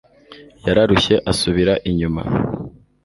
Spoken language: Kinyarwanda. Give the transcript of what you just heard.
yararushye asubira inyuma